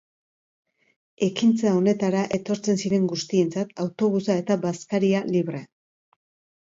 Ekintza honetara etortzen ziren guztientzat, autobusa eta bazkaria libre.